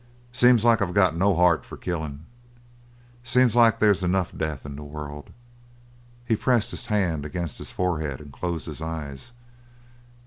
"Seems like I've got no heart for killing. Seems like they's enough death in the world." He pressed his hand against his forehead and closed his eyes.